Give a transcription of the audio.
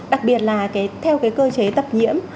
đặc biệt là theo cái cơ chế tập nhiễm